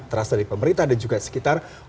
terasa dari pemerintah dan juga sekitar